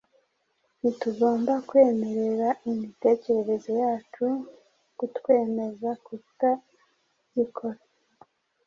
ntitugomba kwemerera imitekerereze yacu kutwemeza kutagikora.